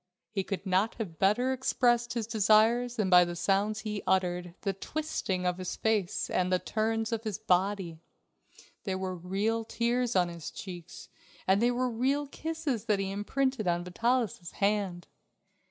He could not have better expressed his desires than by the sounds he uttered, the twisting of his face, and the turns of his body. There were real tears on his cheeks and they were real kisses that he imprinted on Vitalis' hand.